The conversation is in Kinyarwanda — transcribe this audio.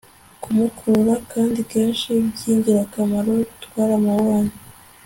kumukurura ... kandi kenshi, byingirakamaro, twaramubonye